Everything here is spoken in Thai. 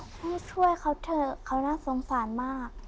ให้ช่วยเขาเถอะเขาน่าสงสารมาก